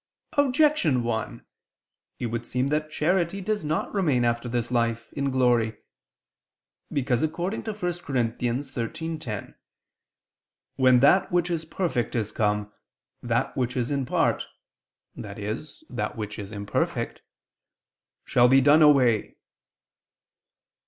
Objection 1: It would seem that charity does not remain after this life, in glory. Because according to 1 Cor. 13:10, "when that which is perfect is come, that which is in part," i.e. that which is imperfect, "shall be done away."